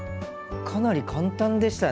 かなり簡単でしたね！